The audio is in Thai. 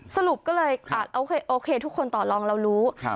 สรุปก็เลยอ่าโอเคโอเคทุกคนต่อลองเรารู้ครับ